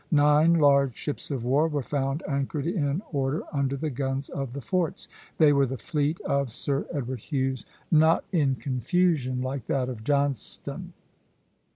Nine large ships of war were found anchored in order under the guns of the forts. They were the fleet of Sir Edward Hughes, not in confusion like that of Johnstone.